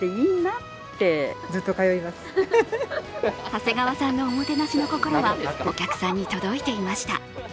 長谷川さんのおもてなしの心はお客さんに届いていました。